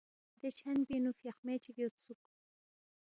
دے چھن پِنگ نُو فیاخمے چِک یودسُوک